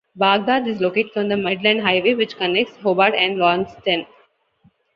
Bagdad is located on the Midland Highway, which connects Hobart and Launceston.